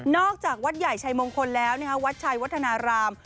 นอกจากวัดใหญ่ชัยมงคลแล้วนะครับวัดชัยวัฒนาราม